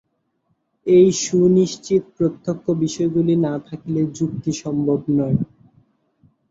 এই সুনিশ্চিত প্রত্যক্ষ বিষয়গুলি না থাকিলে যুক্তি সম্ভব নয়।